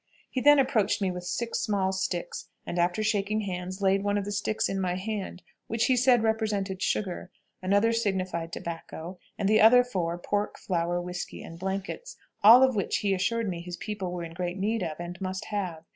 He then approached me with six small sticks, and, after shaking hands, laid one of the sticks in my hand, which he said represented sugar, another signified tobacco, and the other four, pork, flour, whisky, and blankets, all of which he assured me his people were in great need of, and must have.